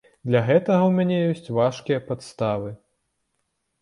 Для гэтага ў мяне ёсць важкія падставы.